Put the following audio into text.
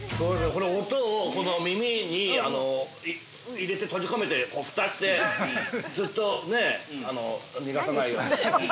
この音を耳に入れて閉じ込めて、ふたして、ずっとね、逃がさないように。